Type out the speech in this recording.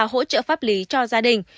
hỗ trợ pháp lý cho gia đình